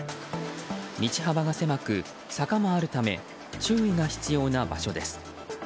道幅が狭く、坂もあるため注意が必要な場所です。